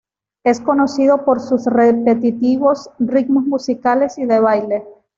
Es conocido por sus repetitivos ritmos musicales y de baile.